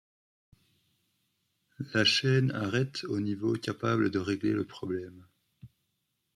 La chaîne arrête au niveau capable de régler le problème.